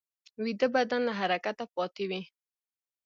ویده بدن له حرکته پاتې وي